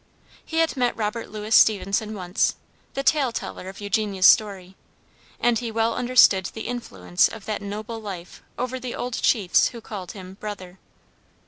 He had met Robert Louis Stevenson once, the tale teller of Eugenia's story, and he well understood the influence of that noble life over the old chiefs who called him "brother."